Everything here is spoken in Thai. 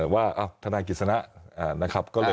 ว่าทางทางกิจสนะ